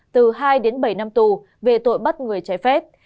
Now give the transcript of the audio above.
từ hai đến bảy năm tù về tội bắt người trái phép